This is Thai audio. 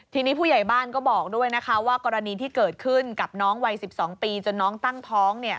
ทีนี้ผู้ใหญ่บ้านก็บอกด้วยนะคะว่ากรณีที่เกิดขึ้นกับน้องวัย๑๒ปีจนน้องตั้งท้องเนี่ย